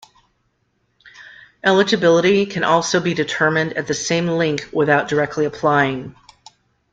Eligibility can also be determined at the same link without directly applying.